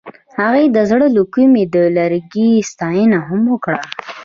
هغې د زړه له کومې د لرګی ستاینه هم وکړه.